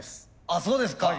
あそうですか。